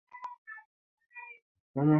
কিন্তু, দিনশেষে ফলাফল শূন্য।